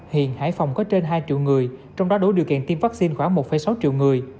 hiện hải phòng có trên hai triệu người trong đó đủ điều kiện tiêm vaccine khoảng một sáu triệu người